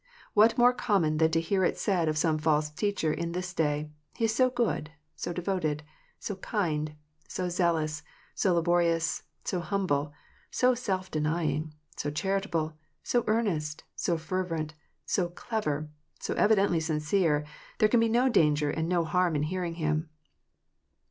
What more common than to hear it said of some false teacher in this day, " He is so good, so devoted, so kind, so zealous, so laborious, so humble, so self denying, so charitable, so earnest, so fervent, so clever, so evidently sincere, there can be no danger and no harm in hearing him.